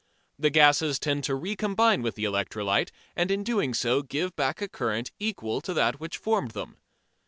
The gases tend to recombine with the electrolyte and in so doing to give back a current equal to that which formed them.